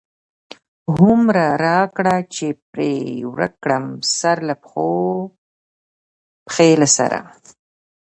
هو مره را کړه چی پی ورک کړم، سرله پښو، پښی له سره